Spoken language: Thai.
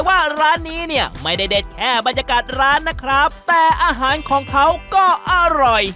ว่าร้านนี้เนี่ยไม่ได้เด็ดแค่บรรยากาศร้านนะครับแต่อาหารของเขาก็อร่อย